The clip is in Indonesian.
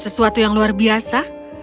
sesuatu yang luar biasa